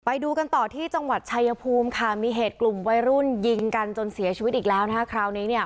ไปดูกันต่อที่จังหวัดชายภูมิค่ะมีเหตุกลุ่มวัยรุ่นยิงกันจนเสียชีวิตอีกแล้วนะคะคราวนี้เนี่ย